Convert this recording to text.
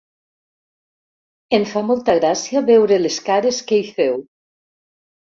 Em fa molta gràcia veure les cares que hi feu.